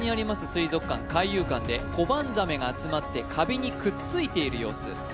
水族館海遊館でコバンザメが集まって壁にくっついている様子